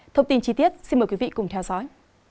thông tin chi tiết xin mời quý vị cùng theo dõi